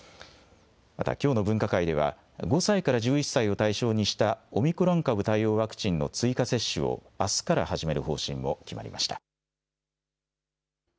またきょうの分科会では、５歳から１１歳を対象にしたオミクロン株対応ワクチンの追加接種を、あすから始める方針も決まりました。